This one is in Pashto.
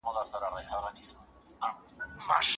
می به اوري له جامونو او نوبت به پکښی نه وي